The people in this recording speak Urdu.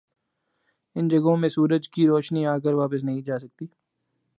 ان جگہوں میں سورج کی روشنی آکر واپس نہیں جاسکتی ۔